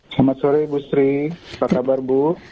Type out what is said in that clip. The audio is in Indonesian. selamat sore ibu sri apa kabar bu